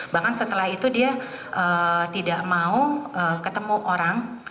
bahkan setelah itu dia tidak mau ketemu orang